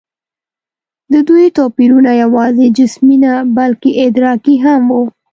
د دوی توپیرونه یواځې جسمي نه، بلکې ادراکي هم وو.